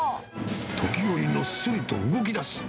時折、のっそりと動きだす。